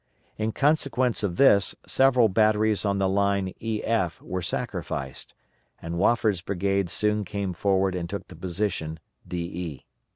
In consequence of this, several batteries on the line EF were sacrificed, and Wofford's brigade soon came forward and took the position DE.